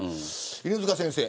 犬塚先生